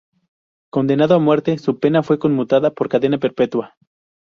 Condenado a muerte, su pena fue conmutada por cadena perpetua.